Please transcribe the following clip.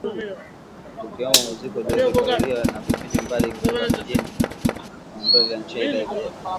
kukiwemo muziki uliorekodiwa na vipindi mbalimbali kutokea mjini Monrovia nchini Liberia